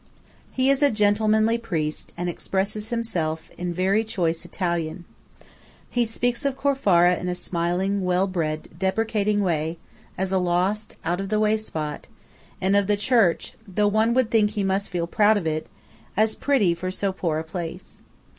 He is a gentlemanly priest, and expresses himself in "very choice Italian." He speaks of Corfara in a smiling, well bred, deprecating way, as "a lost, out of the world spot"; and of the church, though one would think he must feel proud of it, as "pretty for so poor a place."